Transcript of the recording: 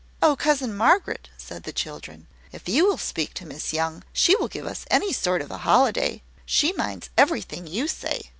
"Oh, cousin Margaret," said the children, "if you will speak to Miss Young, she will give us any sort of a holiday. She minds everything you say.